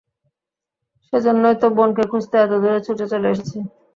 সেজন্যেই তো বোনকে খুঁজতে এত দূরে ছুটে চলে এসেছি।